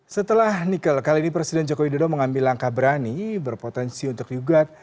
setelah nikel kali ini presiden jokowi dodo mengambil langkah berani berpotensi untuk yugat